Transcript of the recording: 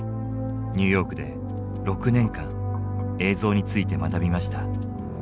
ニューヨークで６年間映像について学びました。